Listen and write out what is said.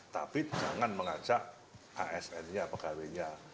tapi jangan mengajak asn nya pegawainya